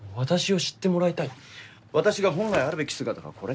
私が本来あるべき姿がこれだから。